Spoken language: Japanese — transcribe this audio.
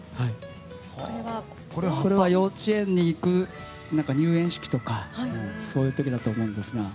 これは幼稚園に行く入園式とかそういう時だと思うんですが。